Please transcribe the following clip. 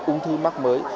ung thư mắc mới